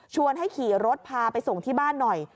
ให้ขี่รถพาไปส่งที่บ้านหน่อย